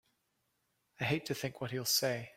I hate to think what he'll say!